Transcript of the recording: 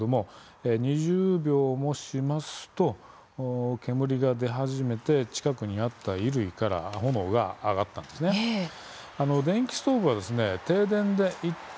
２０秒もすると、煙が出始めて近くにあった衣類から炎が上がりました。